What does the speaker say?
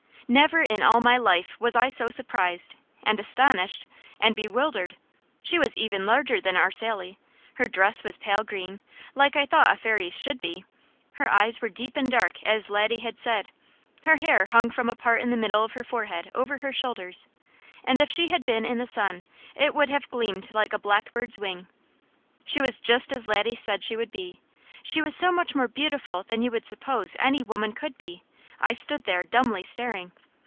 Never in all my life was I so surprised, and astonished, and bewildered. She was even larger than our Sally; her dress was pale green, like I thought a Fairy's should be; her eyes were deep and dark as Laddie had said, her hair hung from a part in the middle of her forehead over her shoulders, and if she had been in the sun, it would have gleamed like a blackbird's wing. She was just as Laddie said she would be; she was so much more beautiful than you would suppose any woman could be, I stood there dumbly staring.